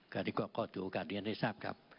ก็ดูโอกาสเรียนให้ทราบครับ